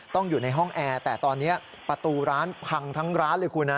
อยู่ในห้องแอร์แต่ตอนนี้ประตูร้านพังทั้งร้านเลยคุณฮะ